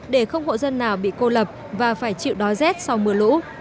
để không hộ dân nào bị cô lập và phải chịu đói rét sau mưa lũ